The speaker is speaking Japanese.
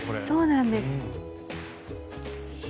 そうなんです。